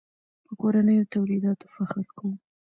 په کورنیو تولیداتو فخر کوو.